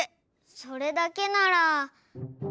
それだけなら。